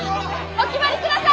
お気張りください！